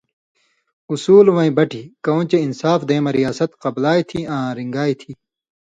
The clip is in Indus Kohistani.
اُصولوَیں بَٹیۡ، کؤں چے انصاف دیں مہ ریاست قبلائ تھی آں رِن٘گائ تھی۔